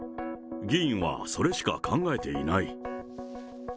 議員はそれしか考えていない。